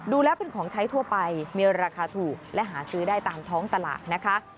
ดูแล้วเป็นของใช้ทั่วไปมีราคาถูกและหาซื้อได้ตามท้องตลาดนะคะ